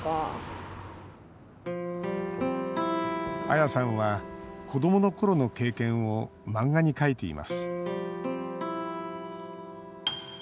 アヤさんは子どものころの経験を漫画に描いています。